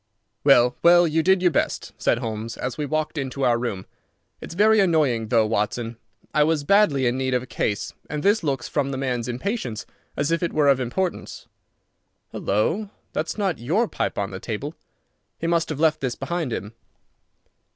"Well, well, you did your best," said Holmes, as we walked into our room. "It's very annoying, though, Watson. I was badly in need of a case, and this looks, from the man's impatience, as if it were of importance. Halloa! That's not your pipe on the table. He must have left his behind him.